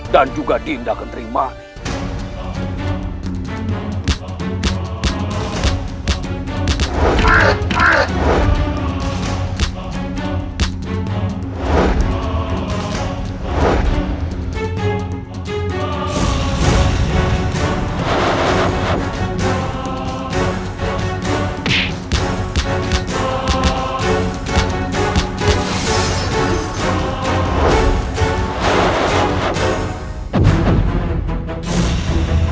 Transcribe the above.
dan juga dinda kenterimanik